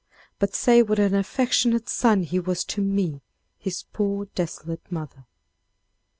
But say what an affectionate son he was to me, his poor desolate mother..."